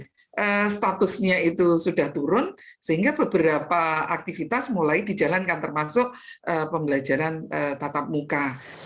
jadi statusnya itu sudah turun sehingga beberapa aktivitas mulai dijalankan termasuk pembelajaran tatap muka